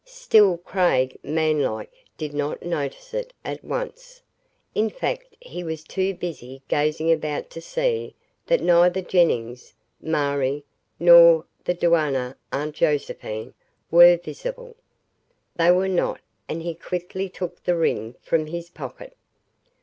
Still, Craig, man like, did not notice it at once. In fact he was too busy gazing about to see that neither Jennings, Marie, nor the duenna Aunt Josephine were visible. They were not and he quickly took the ring from his pocket.